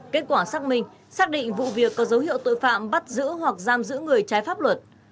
kết quả xác minh xác định vụ việc có dấu hiệu tội phạm bắt giữ hoặc giam giữ người trái pháp luật